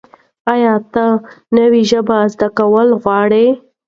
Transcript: ایا ته نوې ژبه زده کول غواړې؟